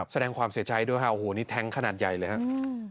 แสดงความเสียใจด้วยค่ะโอ้โหนี่แท้งขนาดใหญ่เลยครับ